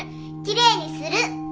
きれいにする！